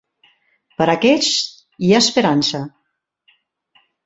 Per a aquests, hi ha esperança.